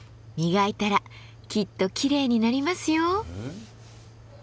磨いたらきっときれいになりますよ。